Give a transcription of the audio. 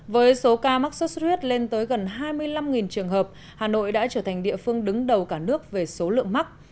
với số ca mắc sốt xuất huyết lên tới gần hai mươi năm trường hợp hà nội đã trở thành địa phương đứng đầu cả nước về số lượng mắc